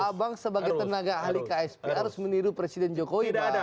abang sebagai tenaga ahli ksp harus meniru presiden jokowi